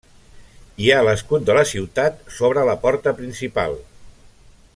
Hi ha l'escut de la ciutat sobre la porta principal.